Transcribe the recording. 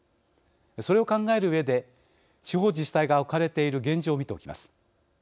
それを考えるうえで地方自治体が置かれている現状を見ておきます。